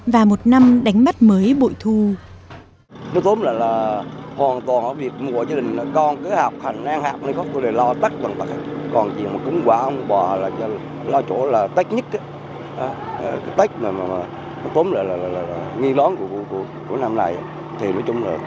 và một năm đánh mắt mới bội thu